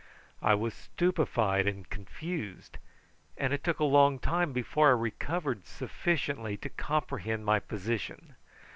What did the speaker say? I was stupefied and confused, and it took a long time before I recovered sufficiently to comprehend my position.